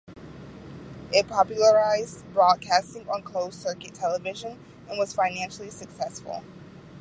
It popularized broadcasting on closed-circuit television and was financially successful.